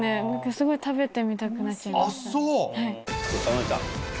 すごい食べてみたくなっちゃいました。